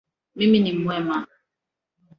Mimi ni mwema